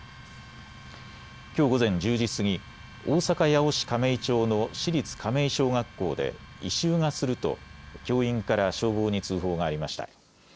きょう午前１０時過ぎ大阪八尾市亀井町の市立亀井小学校で異臭がすると教員から消防に通報がありました。